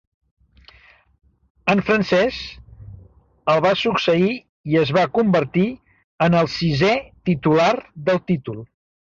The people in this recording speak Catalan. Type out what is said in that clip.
En Frances el va succeir i es va convertir en el sisè titular del títol.